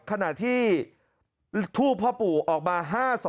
ขณะที่ทูปพ่อปู่ออกมา๕๒